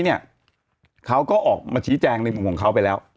เขาก็ออกมาชี้แจงในมุมของเขาไปแล้ว